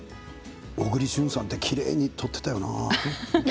小栗旬さんってきれいに取っていたよな。